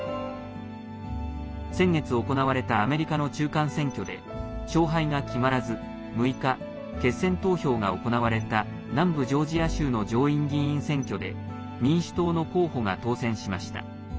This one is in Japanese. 先月行われたアメリカの中間選挙で勝敗が決まらず、６日決選投票が行われた南部ジョージア州の上院議員選挙で民主党の候補が当選しました。